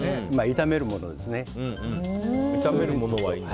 炒めるものにはいいんだ。